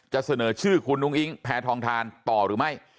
เสนอชื่อคุณอุ้งอิงแพทองทานต่อหรือไม่